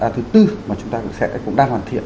thứ bốn mà chúng ta cũng đang hoàn thiện